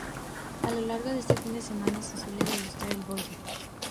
A lo largo de este fin de semana se suele degustar el bollo.